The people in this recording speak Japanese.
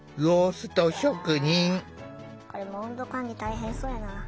これも温度管理大変そうやな。